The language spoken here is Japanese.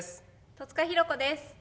戸塚寛子です。